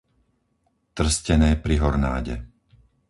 Trstené pri Hornáde